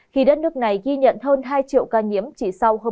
khi đất nước này ghi nhận hơn hai triệu ca nhiễm chỉ sau hôm